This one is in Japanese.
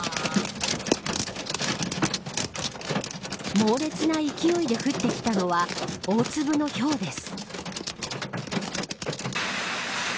猛烈な勢いで降ってきたのは大粒のひょうです。